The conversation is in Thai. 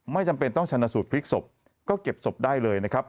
จำเป็นต้องชนะสูตรพลิกศพก็เก็บศพได้เลยนะครับ